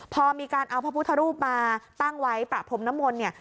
พอมีการเอาพระพุทธรูปมาตั้งไว้ประพรมนมลเนี่ย